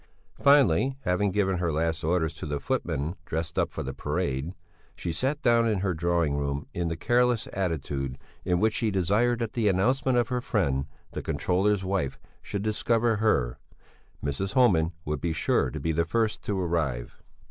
Finally, having given her last orders to the footman dressed up for the parade, she sat down in her drawing room in the careless attitude in which she desired that the announcement of her friend, the controller's wife, should discover her; Mrs. Homan would be sure to be the first to arrive.